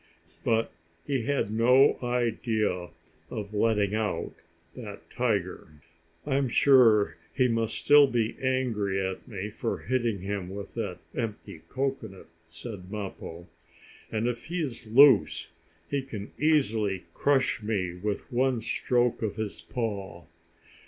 But he had no idea of letting out that tiger. "I'm sure he must still be angry at me for hitting him with that empty cocoanut," said Mappo, "and if he is loose he can easily crush me with one stroke of his paw.